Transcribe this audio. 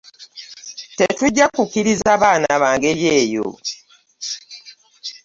Tetujja kukkiriza baana ba ngeri eyo.